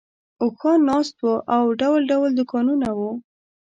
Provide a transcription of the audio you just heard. اوښان ناست وو او ډول ډول دوکانونه وو.